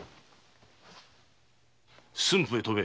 駿府へ飛べ。